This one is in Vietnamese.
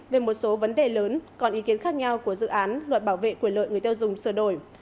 về một số vấn đề lớn còn ý kiến khác nhau của dự án luật bảo vệ quyền lợi người tiêu dùng sửa đổi